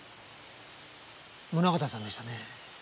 宗形さんでしたね。